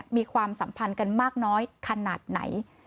มีความสัมพันธ์กันมากน้อยขนาดไหน